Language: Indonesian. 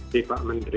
di pak menteri